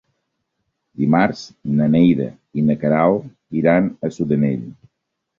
Dimarts na Neida i na Queralt iran a Sudanell.